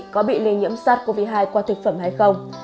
có bị lây nhiễm sars cov hai qua thực phẩm hay không